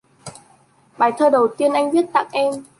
Bài thơ đầu tiên anh viết tặng em